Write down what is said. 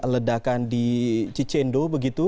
ledakan di cicendo